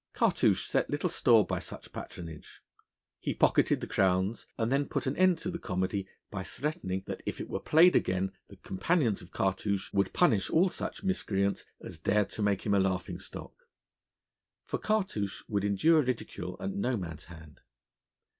Cartouche set little store by such patronage. He pocketed the crowns, and then put an end to the comedy by threatening that if it were played again the companions of Cartouche would punish all such miscreants as dared to make him a laughing stock. For Cartouche would endure ridicule at no man's hand.